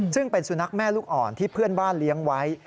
ซึ่งเป็นสุนัขแม่ลูกอ่อนที่เพื่อนบ้านเลี้ยงไว้